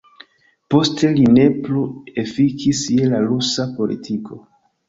Poste li ne plu efikis je la rusa politiko.